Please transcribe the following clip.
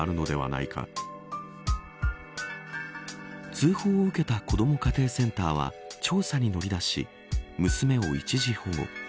通報を受けた子ども家庭センターは調査に乗り出し、娘を一時保護。